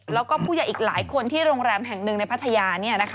แล้วก็ผู้ใหญ่อีกหลายคนที่โรงแรมแห่งหนึ่งในพัทยา